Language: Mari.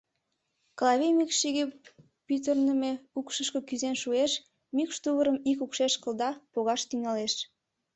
Клавий мӱкш иге пӱтырнымӧ укшышко кӱзен шуэш, мӱкш тувырым ик укшеш кылда, погаш тӱҥалеш.